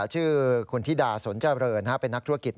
ชื่อคุณธิดาสนเจริญเป็นนักธุรกิจ